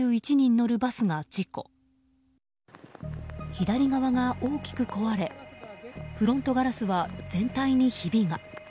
左側が大きく壊れフロントガラスは、全体にひびが。